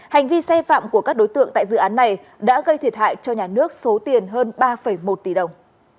hành vi sai phạm của các đối tượng tại dự án này đã gây thiệt hại cho nhà nước số tiền hơn ba một tỷ đồng